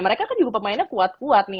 mereka kan juga pemainnya kuat kuat nih